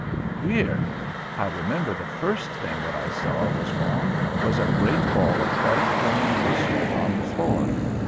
Queer! I remember the first thing that I saw was wrong was a great ball of white German worsted on the floor.